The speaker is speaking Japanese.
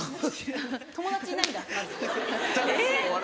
・友達いないんだ・え何？